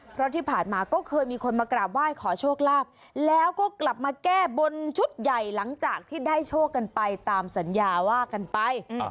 เพราะที่ผ่านมาก็เคยมีคนมากราบไหว้ขอโชคลาภแล้วก็กลับมาแก้บนชุดใหญ่หลังจากที่ได้โชคกันไปตามสัญญาว่ากันไป